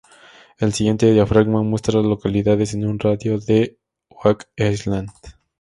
El siguiente diagrama muestra a las localidades en un radio de de Oak Island.